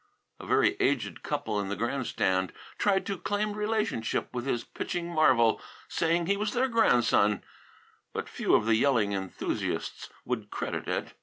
A very aged couple in the grandstand tried to claim relationship with his pitching marvel, saying he was their grandson, but few of the yelling enthusiasts would credit it.